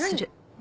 何？